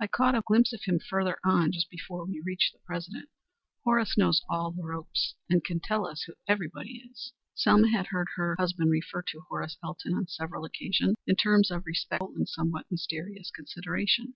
I caught a glimpse of him further on just before we reached the President. Horace knows all the ropes and can tell us who everybody is." Selma had heard her husband refer to Horace Elton on several occasions in terms of respectful and somewhat mysterious consideration.